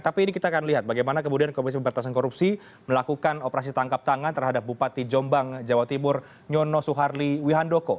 tapi ini kita akan lihat bagaimana kemudian komisi pemberantasan korupsi melakukan operasi tangkap tangan terhadap bupati jombang jawa timur nyono suharli wihandoko